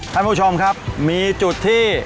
ท่านผู้ชมครับมีจุดที่